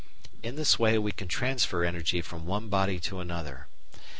In this way we can transfer energy from one body to another.